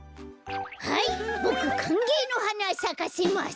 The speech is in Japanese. はいボクかんげいのはなさかせます。